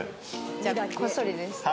じゃあこっそりですよ。